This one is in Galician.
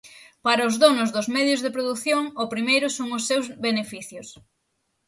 Para os donos dos medios de produción o primeiro son os seus beneficios.